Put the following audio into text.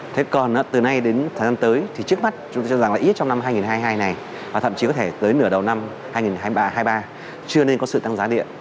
thế còn từ nay đến thời gian tới thì trước mắt chúng ta cho rằng là ít trong năm hai nghìn hai mươi hai này và thậm chí có thể tới nửa đầu năm hai nghìn hai mươi ba chưa nên có sự tăng giá điện